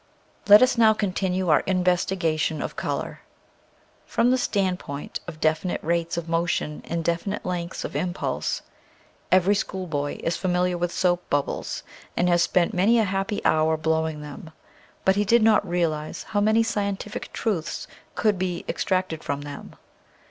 Let us now continue our investigation of color, from the standpoint of definite rates of motion and definite lengths of impulse. Every schoolboy is familiar with soap bubbles, /]. Original from UNIVERSITY OF WISCONSIN 186 nature's Atraclee. and has spent many a happy hour blowing them. But he did not realize how many scientific truths could be extracted from them.